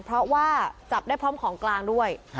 เพราะว่าจับได้พร้อมของกลางด้วย